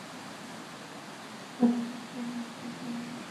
বারাঙ্গনা পুনর্বার দিল, তিনিও তৎক্ষণাৎ ভক্ষণ করিলেন।